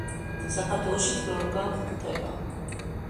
საქართველოშიც ბევრგან გვხვდება.